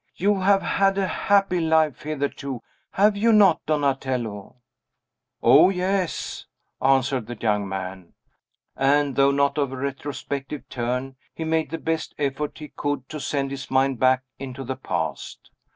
You have had a happy life hitherto, have you not, Donatello?" "O, yes," answered the young man; and, though not of a retrospective turn, he made the best effort he could to send his mind back into the past.